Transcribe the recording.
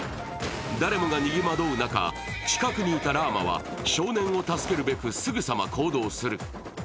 誰もが逃げ惑う中、近くにいたラーマは、少年を助けるべく、すぐさま行動する。